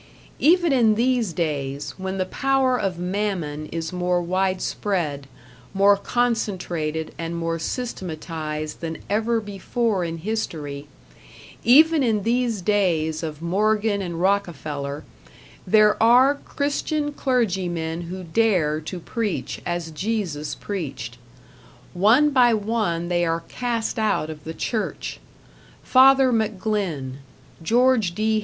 Even in these days, when the power of Mammon is more widespread, more concentrated and more systematized than ever before in history even in these days of Morgan and Rockefeller, there are Christian clergymen who dare to preach as Jesus preached. One by one they are cast out of the Church Father McGlynn, George D.